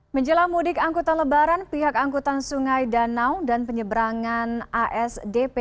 menjelang mudik angkutan lebaran pihak angkutan sungai danau dan penyeberangan asdp